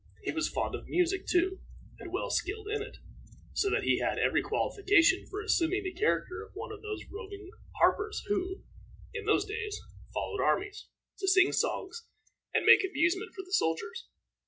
He was fond of music, too, and well skilled in it; so that he had every qualification for assuming the character of one of those roving harpers, who, in those days, followed armies, to sing songs and make amusement for the soldiers.